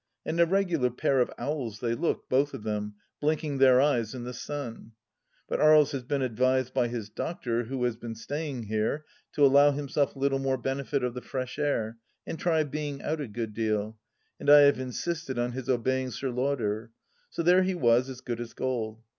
And a regular pair of owls they looked, both of them, blinking their eyes in the sun. But Aries has been advised by his doctor, who has been staying here, to allow himself a little more benefit of the fresh air and try being out a good deal, and I have insisted on his obeying Sir Lauder ; so there he was, as good as gold.